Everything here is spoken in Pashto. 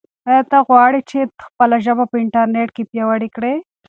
آیا ته غواړې چې خپله ژبه په انټرنیټ کې پیاوړې کړې؟